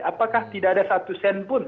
apakah tidak ada satu sen pun